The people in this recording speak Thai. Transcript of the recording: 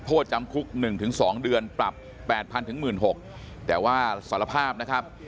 โทษจำคุก๑๒เดือนปรับ๘๐๐๑๖๐๐แต่ว่าสารภาพนะครับ